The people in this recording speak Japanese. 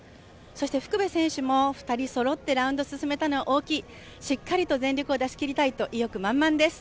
そして福部選手も２人そろってラウンドを進めたのは大きい、しっかりと全力を出し切りたいと、意欲満々です。